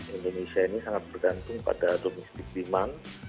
indonesia ini sangat bergantung pada domisik diman